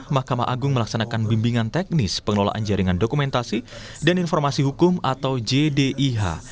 mahkamah agung melaksanakan bimbingan teknis pengelolaan jaringan dokumentasi dan informasi hukum atau jdih